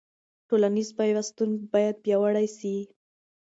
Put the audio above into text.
ټولنیز پیوستون باید پیاوړی سي.